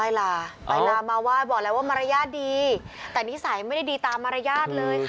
ลาไปลามาไหว้บอกแล้วว่ามารยาทดีแต่นิสัยไม่ได้ดีตามมารยาทเลยค่ะ